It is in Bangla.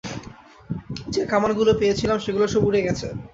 যে কামানগুলো পেয়েছিলাম সেগুলো সব উড়ে গেছে।